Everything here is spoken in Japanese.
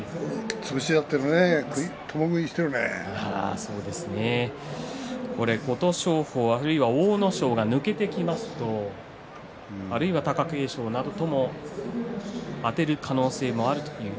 潰し合ってるね琴勝峰、あるいは阿武咲が抜けていきますとあるいは貴景勝などともあたる可能性もあると。